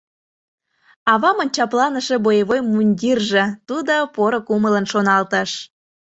«Авамын чапланыше боевой мундирже», — тудо поро кумылын шоналтыш.